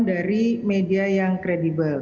dari media yang kredibel